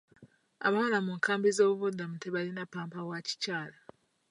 Abawala mu nkambi z'abanoonyiboobubuddamu tebalina ppamba wa kikyala.